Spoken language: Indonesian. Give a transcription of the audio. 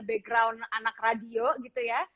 background anak radio gitu ya